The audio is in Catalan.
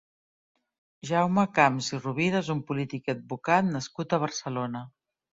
Jaume Camps i Rovira és un polític i advocat nascut a Barcelona.